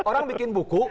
orang bikin buku